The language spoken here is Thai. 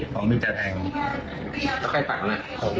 ควักมีดจะแทงแล้วใครตั๋งละ